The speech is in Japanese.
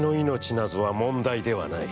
なぞは、問題ではない。